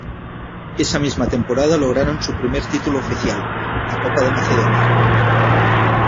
Esa misma temporada lograron su primer título oficial, la Copa de Macedonia.